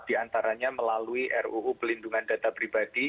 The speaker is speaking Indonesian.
diantaranya melalui ruu pelindungan data pribadi